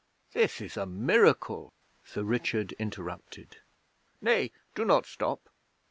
This is a miracle,' Sir Richard interrupted. 'Nay, do not stop!'